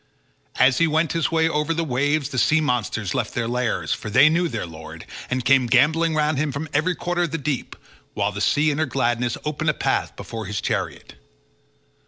As he went his way over the waves the sea monsters left their lairs, for they knew their lord, and came gambolling round him from every quarter of the deep, while the sea in her gladness opened a path before his chariot.